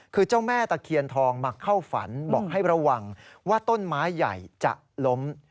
คือเจ้าแม่ตะเคียนทองมาเข้าฝันบอกให้ระวังว่าต้นไม้ใหญ่จะล้ม